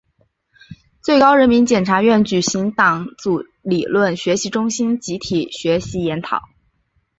最高人民检察院举行党组理论学习中心组集体学习研讨